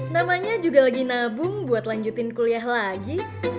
namanya juga lagi nabung buat lanjutin kuliah lagi